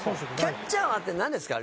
キャッチャーってなんですか。